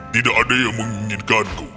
tidak ada yang menginginkanku